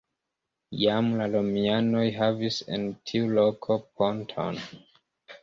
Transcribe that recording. Jam la romianoj havis en tiu loko ponton.